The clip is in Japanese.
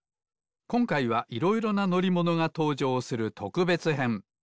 こんかいはいろいろなのりものがとうじょうするとくべつへん。